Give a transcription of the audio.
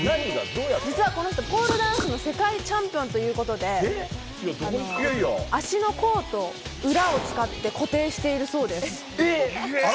実は、この人ポールダンスの世界チャンピオンということで足の甲と裏を使って固定しているそうです。